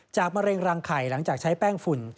มะเร็งรังไข่หลังจากใช้แป้งฝุ่น